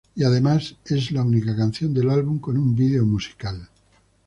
Y además es la única canción del álbum con un video musical.